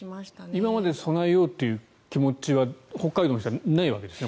今まで備えようという気持ちは北海道の人はないわけですよね。